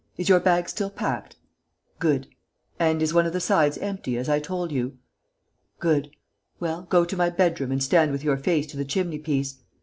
Is your bag still packed?... Good. And is one of the sides empty, as I told you?... Good. Well, go to my bedroom and stand with your face to the chimney piece.